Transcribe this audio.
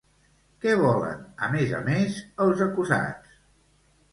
Què volen a més a més els acusats?